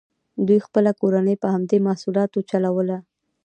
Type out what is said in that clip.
دوی خپله کورنۍ په همدې محصولاتو چلوله.